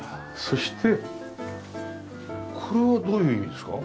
そしてこれはどういう意味ですか？